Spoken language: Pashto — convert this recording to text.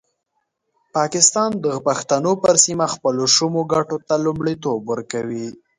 پاکستان د پښتنو پر سیمه خپلو شومو ګټو ته لومړیتوب ورکوي.